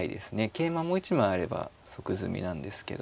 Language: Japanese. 桂馬もう一枚あれば即詰みなんですけど。